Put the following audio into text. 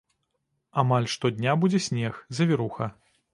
Амаль штодня будзе снег, завіруха.